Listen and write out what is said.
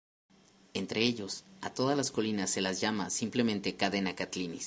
Entre ellos, a todas las colinas se las llama simplemente Cadena Catlins.